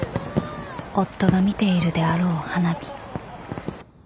［夫が見ているであろう花火］